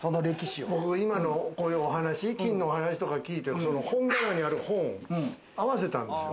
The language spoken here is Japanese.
僕、今の金のお話とか聞いて本棚にある本を合わせたんですよ。